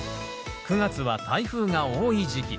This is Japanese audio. ９月は台風が多い時期。